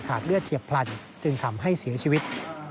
เลือดเฉียบพลันจึงทำให้เสียชีวิต